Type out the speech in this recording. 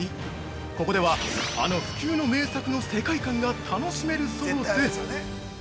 ここでは、あの不朽の名作の世界観が楽しめるそうで。